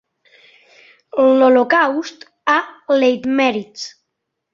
L'Holocaust a Leitmeritz.